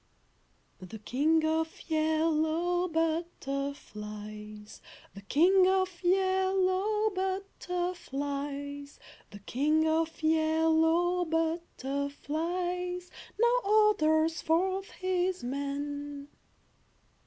The King of Yellow Butterflies, The King of Yellow Butterflies, The King of Yellow Butterflies, Now orders forth his men.